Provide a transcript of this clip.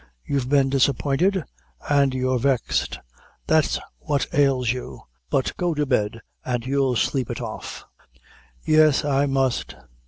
You've been disappointed, an' you're vexed; that's what ails you; but go to bed, an' you'll sleep it off." "Yes, I must.